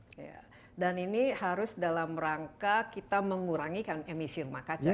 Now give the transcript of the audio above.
iya dan ini harus dalam rangka kita mengurangi emisi rumah kaca